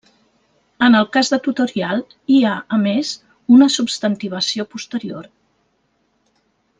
En el cas de tutorial hi ha, a més, una substantivació posterior.